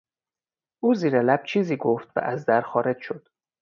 او زیر لب چیزی گفت و از در خارج شد.